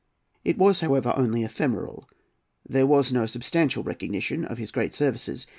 It was, however, only ephemeral. There was no substantial recognition of his great services.